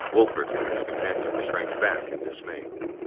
" Wolfert and his companions shrank back in dismay.